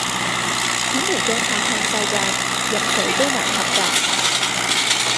顯微鏡下看世界，任誰都難合格